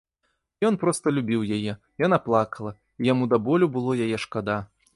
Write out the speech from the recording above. Ён проста любіў яе, яна плакала, і яму да болю было яе шкада.